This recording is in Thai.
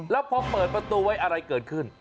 แล้วพอเปิดประตูไว้อะไรเกิดขึ้น